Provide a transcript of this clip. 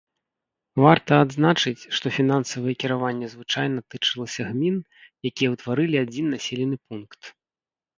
Варта адзначыць, што фінансавае кіраванне звычайна тычылася гмін, якія ўтваралі адзін населены пункт.